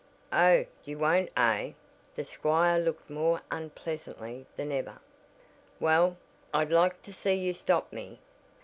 "Oh, you won't eh?" the squire looked more unpleasantly than ever. "Well, I'd like to see you stop me!